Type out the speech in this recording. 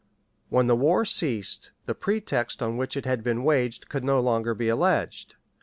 When the war ceased, the pretext on which it had been waged could no longer be alleged.